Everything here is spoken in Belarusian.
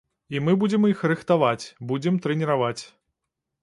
І мы будзем іх рыхтаваць, будзем трэніраваць.